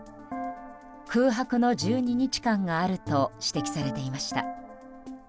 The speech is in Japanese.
空白の１２日間があると指摘されていました。